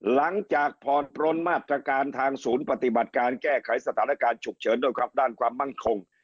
หลังจากผ่อนปลนมาตรการทางศูนย์ปฏิบัติการแก้ไขสถานการณ์ฉุกเฉินด้วยครับด้านความมั่นคง